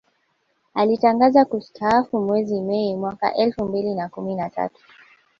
Alitangaza kustaafu mwezi Mei mwaka elfu mbili na kumi na tatu